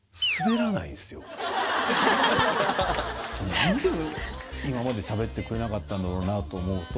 何で今までしゃべってくれなかったんだろうなと思うと。